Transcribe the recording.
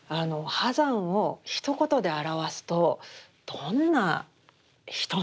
波山をひと言で表すとどんな人なんでしょうか？